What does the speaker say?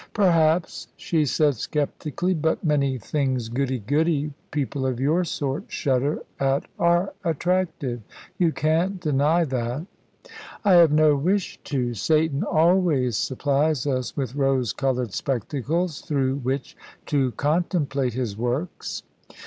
"Perhaps," she said sceptically; "but many things goody goody people of your sort shudder at are attractive. You can't deny that." "I have no wish to. Satan always supplies us with rose coloured spectacles, through which to contemplate his works."